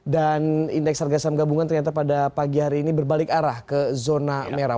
dan indeks harga saham gabungan ternyata pada pagi hari ini berbalik arah ke zona merah